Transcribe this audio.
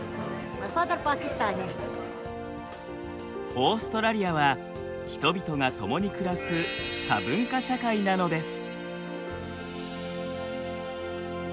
オーストラリアは人々が共に暮らす多文化社会なのです。